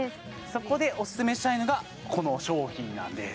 そこでおすすめしたいのがこの商品なんです